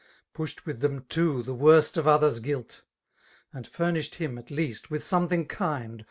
Pushed with th^m too the worst of others guflt ; And furnished bioij at leasts with something kind.